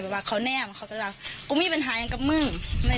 ก็เลยปงใช้ก็เลยฟังต้องเปิดเพื่อนไปขึ้นมา